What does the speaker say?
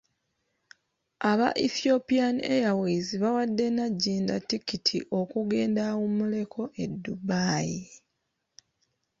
Aba Ethiopian Airways baawadde Nagginda ttikiti okugenda awummuleko e Dubai.